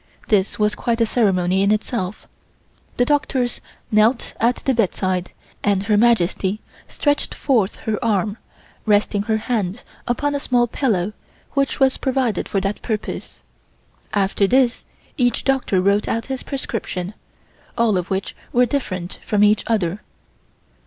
This was quite a ceremony in itself. The doctors knelt at the bedside, and Her Majesty stretched forth her arm, resting her hand upon a small pillow which was provided for that purpose. After this each doctor wrote out his prescription, all of which were different from each other.